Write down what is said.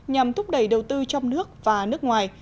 nhằm thúc đẩy đầu tư trong nước và nước ngoài